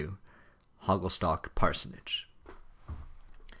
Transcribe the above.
HOGGLESTOCK PARSONAGE.